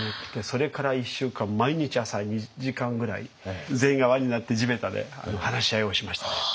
それから１週間毎日朝２時間ぐらい全員が輪になって地べたで話し合いをしましたね。